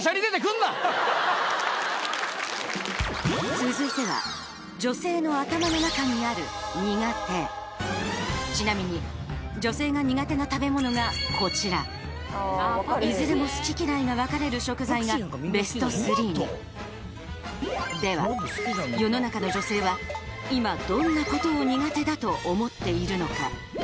続いては女性の頭の中にあるちなみにいずれも好き嫌いが分かれる食材がベスト３では世の中の女性は今どんなことを苦手だと思っているのか？